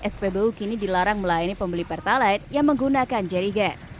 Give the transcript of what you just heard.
spbu kini dilarang melayani pembeli pertalait yang menggunakan jerrycan